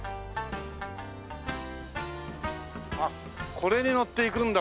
あっこれに乗っていくんだ。